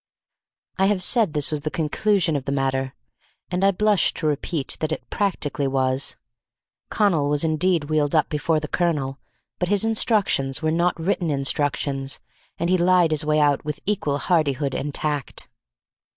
I have said this was the conclusion of the matter, and I blush to repeat that it practically was. Connal was indeed wheeled up before the colonel, but his instructions were not written instructions, and he lied his way out with equal hardihood and tact.